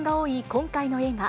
今回の映画。